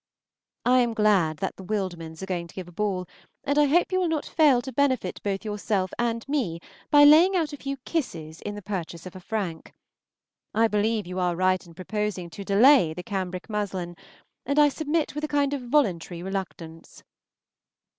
I am glad that the Wildmans are going to give a ball, and hope you will not fail to benefit both yourself and me by laying out a few kisses in the purchase of a frank. I believe you are right in proposing to delay the cambric muslin, and I submit with a kind of voluntary reluctance.